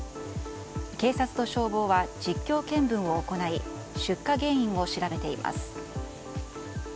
警察と消防は、実況見分を行い出火原因を調べています。